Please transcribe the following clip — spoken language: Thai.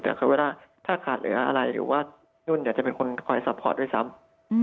แต่คือเวลาถ้าขาดเหลืออะไรหรือว่านุ่นจะเป็นคนคอยซัพพอร์ตด้วยซ้ำ